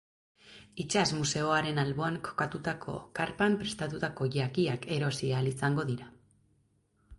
Itsas museoaren alboan kokatutako karpan prestatutako jakiak erosi ahal izango dira.